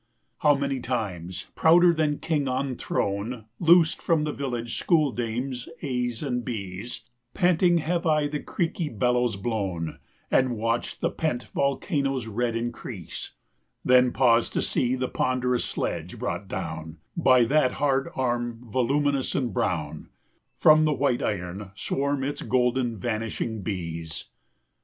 How many times, prouder than king on throne, Loosed from the village school dame's A's and B's, 240 Panting have I the creaky bellows blown, And watched the pent volcano's red increase, Then paused to see the ponderous sledge, brought down By that hard arm voluminous and brown, 224 From the white iron swarm its golden vanishing bees.